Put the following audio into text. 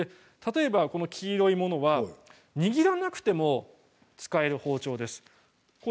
例えば黄色いものは握らなくても使える包丁です。